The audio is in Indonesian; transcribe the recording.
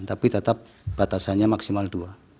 tapi tetap batasannya maksimal dua